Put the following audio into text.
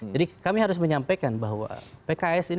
jadi kami harus menyampaikan bahwa pks ini